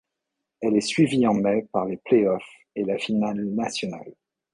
Elle est suivie en mai par les playoffs et la finale nationale.